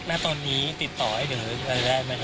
ณตอนนี้ติดต่อให้เหลือได้ไหมครับ